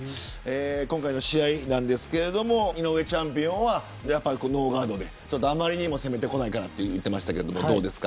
今回の試合なんですが井上チャンピオンはノーガードであまりにも攻めてこないからと言ってましたが、どうですか。